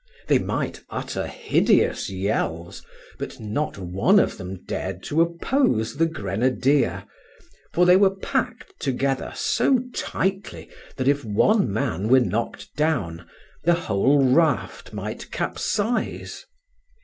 They might utter hideous yells, but not one of them dared to oppose the grenadier, for they were packed together so tightly that if one man were knocked down, the whole raft might capsize.